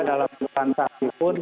dalam perusahaan saham pun